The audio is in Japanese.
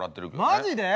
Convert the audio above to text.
マジで？